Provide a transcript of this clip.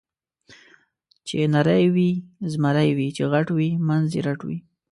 چې نری وي زمری وي، چې غټ وي منځ یې رټ وي.